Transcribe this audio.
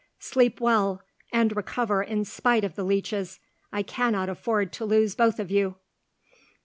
Sleep well, and recover in spite of the leeches. I cannot afford to lose both of you."